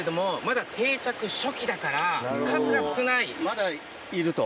まだいると。